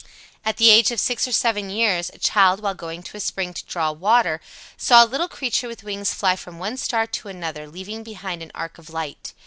At the age of six or seven years, a child, while going to a spring to draw water, saw a little creature with wings fly from one star to another, leaving behind an arc of light.